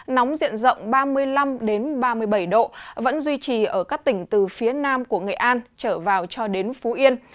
nóng diện rộng ba mươi năm ba mươi bảy độ vẫn duy trì ở các tỉnh từ phía nam của nghệ an trở vào cho đến phú yên